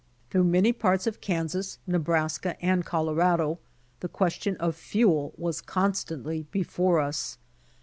Through many parts of Kansas, Nebraska, and Colorado the question of fuel was constantly before us.